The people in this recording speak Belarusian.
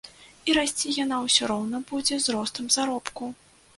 І расці яна ўсё роўна будзе, з ростам заробку.